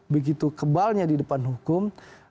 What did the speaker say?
begitu kebalnya di depan hukum